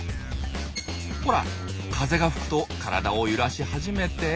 ほら風が吹くと体を揺らし始めて。